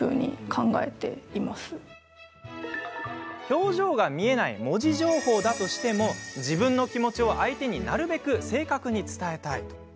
表情が見えない文字情報だとしても自分の気持ちを相手になるべく正確に伝えたい。